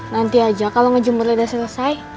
nanti aja kalo ngejumur udah selesai